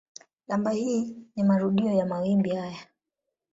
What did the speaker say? Namba hii ni marudio ya mawimbi haya.